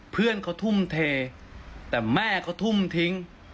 เพื่อนเขาทุ่มเทแต่แม่เขาทุ่มทิ้ง